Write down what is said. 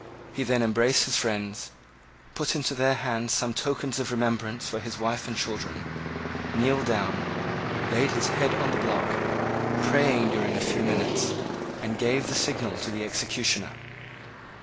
He then embraced his friends, put into their hands some tokens of remembrance for his wife and children, kneeled down, laid his head on the block, prayed during a few minutes, and gave the signal to the executioner.